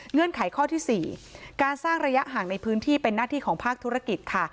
ไขข้อที่๔การสร้างระยะห่างในพื้นที่เป็นหน้าที่ของภาคธุรกิจค่ะ